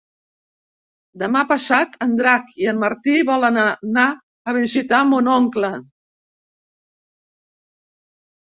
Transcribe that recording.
Demà passat en Drac i en Martí volen anar a visitar mon oncle.